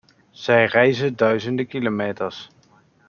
Zij reizen duizenden kilometers.